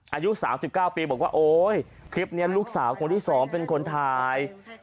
อายุ๓๙ปีบอกว่าโอ๊ยคลิปนี้ลูกสาวคนที่๒เป็นคนถ่าย